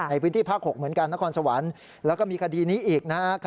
ในพื้นที่ภาค๖เหมือนกันนครสวรรค์แล้วก็มีคดีนี้อีกนะครับ